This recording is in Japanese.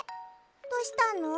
どうしたの？